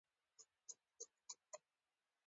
سندره د ساز خوږوالی لري